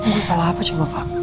lo salah apa coba fak